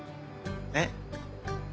えっ？